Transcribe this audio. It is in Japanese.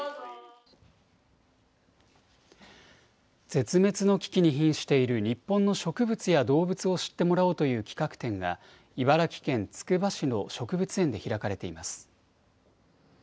絶滅の危機にひんしている日本の植物や動物を知ってもらおうという企画展が、茨城県つくば市の植物園で開かれています。